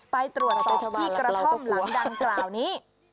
ไปตรวจสอบที่กระท่อมหลังดังกล่าวนี้